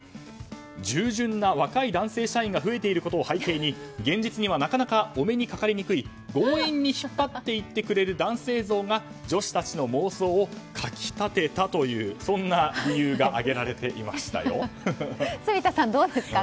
更に、従順な若い男性社員が増えていることを背景に現実にはなかなかお目にかかりにくい強引に引っ張っていってくれる男性像が女子たちの妄想を掻き立てたというそんな理由が住田さん、どうですか？